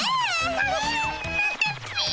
大変なんだっピィ。